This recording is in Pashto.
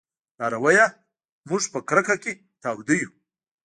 لارويه! موږ په کرکه کې تاوده يو